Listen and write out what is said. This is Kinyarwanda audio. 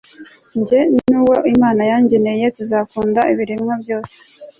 jye n'uwo imana yangeneye, tuzakunda ibiremwa byose